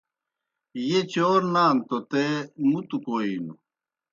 ییْہ چور نانوْ توْ تے مُتوْ کوئینوْ؟